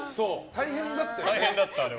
大変だったよね。